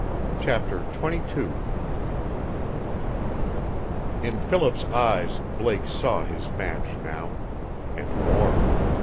CHAPTER XXII In Philip's eyes Blake saw his match now. And more.